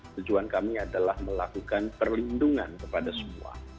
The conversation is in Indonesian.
tujuan kami adalah melakukan perlindungan kepada semua